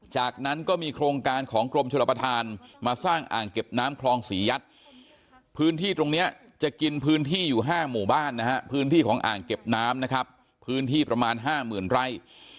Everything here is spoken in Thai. จากนั้นก็มีโครงการของกรมชลประธานมาสร้างอ่างเก็บน้ำคลองศรียัดพื้นที่ตรงนี้จะกินพื้นที่อยู่๕หมู่บ้านนะฮะพื้นที่ของอ่างเก็บน้ำนะครับพื้นที่ประมาณ๕๐๐๐ไร่